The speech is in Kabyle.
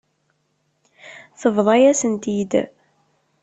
Tebḍa-yasen-t-id.